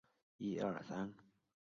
埃鲁维尔圣克莱。